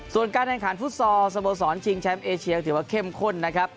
ส่วนการแข่งขันฟุตซอลสโมสรชิงแชมป์เอเชียถือว่าเข้มข้นนะครับ